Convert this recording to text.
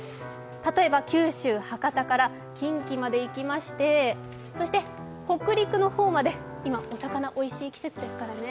例えば九州・博多から近畿まで行きましてそして北陸の方まで、今お魚がおいしい季節ですからね。